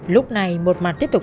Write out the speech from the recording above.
lúc này một mặt tiếp tục